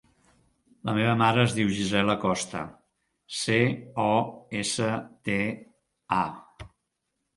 La meva mare es diu Gisela Costa: ce, o, essa, te, a.